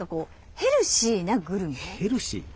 ヘルシー？